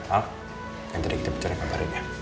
al nanti deh kita bercari kabar ini ya